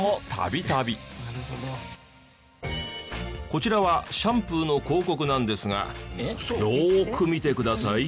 こちらはシャンプーの広告なんですがよーく見てください。